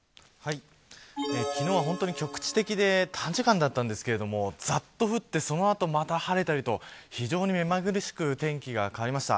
昨日は局地的で短時間だったんですけどざっと降ってその後、また晴れたりと非常に目まぐるしく天気が変わりました。